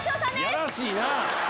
やらしいな！